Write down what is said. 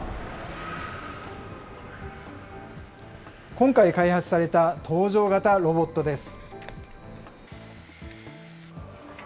今回、開発された搭乗型ロボットです。